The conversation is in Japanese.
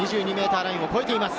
２２ｍラインを超えています。